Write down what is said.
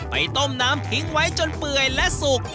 ไปต้มน้ำทิ้งไว้จนเปื่อยและสุก